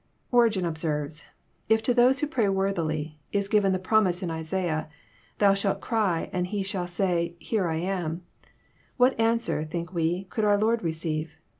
Origen observes :" If to those who pray worthily is given the promise in Isaiah, < Thou shalt cry, and He shall say. Here I am,' what answer, think we, could oar Lord receive?